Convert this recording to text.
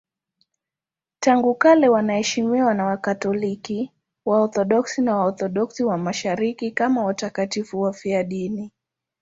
Tangu kale wanaheshimiwa na Wakatoliki, Waorthodoksi na Waorthodoksi wa Mashariki kama watakatifu wafiadini.